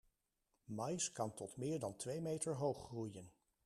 Maïs kan tot meer dan twee meter hoog groeien.